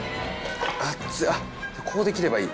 あっここで切ればいい？